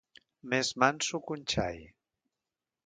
Més manso que un xai.